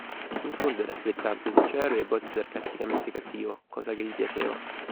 In fondo, era sprezzante, sincero e a volte sarcasticamente cattivo, cosa che gli piaceva.